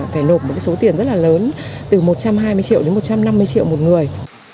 phải nộp một số tiền rất là lớn từ một trăm hai mươi triệu đến một trăm năm mươi triệu một người